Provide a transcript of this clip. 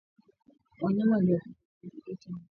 Wanyama waliokufa kwa kimeta damu yao haigandi